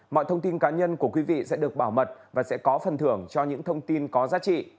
mọi thông tin cá nhân của quý vị sẽ được bảo mật và sẽ có phần thưởng cho những thông tin có giá trị